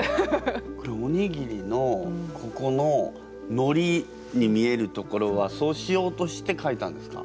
これおにぎりのここののりに見えるところはそうしようとして書いたんですか？